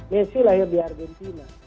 messi lahir di argentina